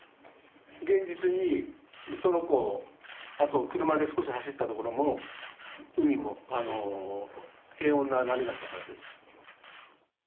現実にウトロ港を、あと車で少し走った所も、海も平穏な波だったからです。